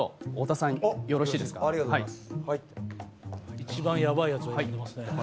一番やばいやつを呼んでますね。